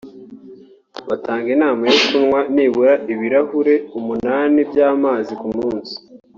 Batanga inama yo kunywa nibura ibirahure umunani by’amazi ku munsi